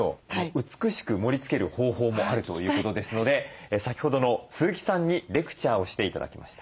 美しく盛りつける方法もあるということですので先ほどの鈴木さんにレクチャーをして頂きました。